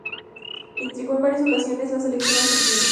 Integró en varias ocasiones la Selección Argentina.